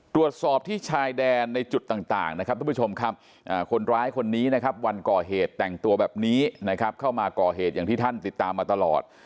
ตรวจสอบที่ชายแดนในจุดต่างนะครับทุกผู้ชมครับคนร้ายคนนี้นะครับวันก่อเหตุแต่งตัวแบบนี้นะครับเข้ามาก่อเหตุอย่างที่ท่านติดตามมาตลอด